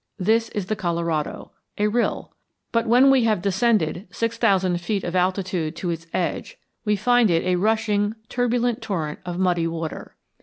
This is the Colorado a rill; but when we have descended six thousand feet of altitude to its edge we find it a rushing turbulent torrent of muddy water.